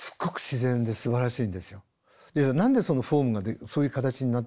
何でそのフォームがそういう形になったか。